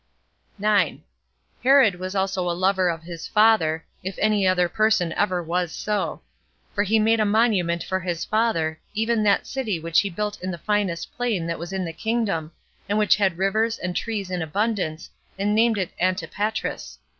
9. Herod was also a lover of his father, if any other person ever was so; for he made a monument for his father, even that city which he built in the finest plain that was in his kingdom, and which had rivers and trees in abundance, and named it Antipatris.